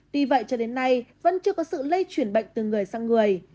tuy vậy cho đến nay vẫn chưa có sự lây chuyển bệnh từ người sang người